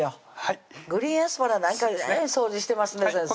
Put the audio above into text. グリーンアスパラなんかえらい掃除してますね先生